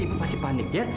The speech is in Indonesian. ibu pasti panik ya